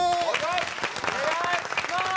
お願いします！